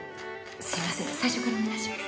すいません最初からお願いします。